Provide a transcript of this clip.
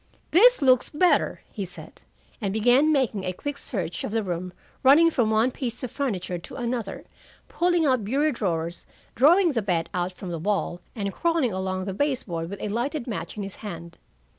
"This looks better," he said, and began making a quick search of the room, running from one piece of furniture to another, pulling out bureau drawers, drawing the bed out from the wall, and crawling along the base board with a lighted match in his hand.